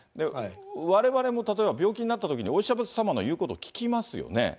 われわれも例えば病気になったときに、お医者様の言うことを聞きますよね。